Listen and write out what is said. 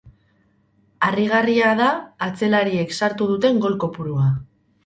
Harrigarria da atzelariek sartu duten gol kopurua.